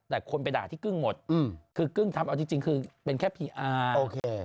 แต่คนไปด่าที่กึ้งหมดอืมคือกึ้งทำเอาจริงคือเป็นแค่พีอาร์โอเค